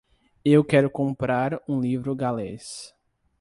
Eu quero comprar um livro galês.